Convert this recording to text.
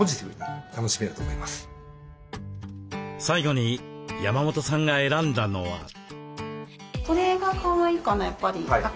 最後に山本さんが選んだのは。